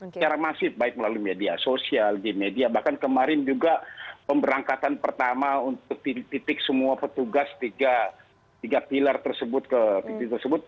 secara masif baik melalui media sosial di media bahkan kemarin juga pemberangkatan pertama untuk titik titik semua petugas tiga pilar tersebut ke titik tersebut